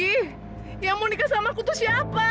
ih yang mau nikah sama aku tuh siapa